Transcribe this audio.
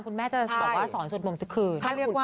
คุณแม่จะบอกว่าสอนสวดมนต์ทุกคืน